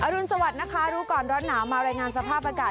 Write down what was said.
รุนสวัสดิ์นะคะรู้ก่อนร้อนหนาวมารายงานสภาพอากาศ